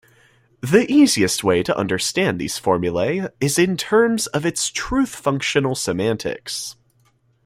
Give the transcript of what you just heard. The easiest way to understand these formulae is in terms of its truth-functional semantics.